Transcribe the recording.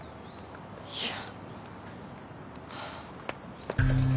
いや。